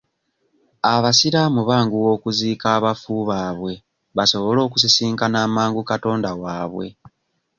Abasiraamu banguwa okuziika abafu baabwe basobole okusisinkana amangu katonda waabwe.